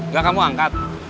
gak kamu angkat